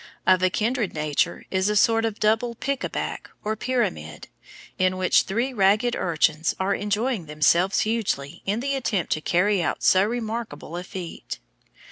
Of kindred nature is a sort of double pick a back, or pyramid, in which three ragged urchins are enjoying themselves hugely in the attempt to carry out so remarkable a feat.